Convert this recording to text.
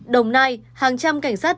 đồng nai hàng trăm cảnh sát